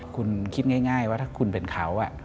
คุณคิดง่ายว่าถ้าคุณเป็นเขา